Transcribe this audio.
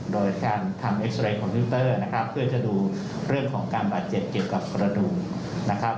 โดยการทำเอ็กซาเรย์คอมพิวเตอร์นะครับเพื่อจะดูเรื่องของการบาดเจ็บเกี่ยวกับกระดูกนะครับ